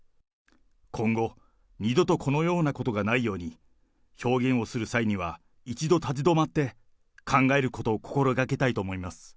今後、二度とこのようなことがないように、表現をする際には一度立ち止まって考えることを心がけたいと思います。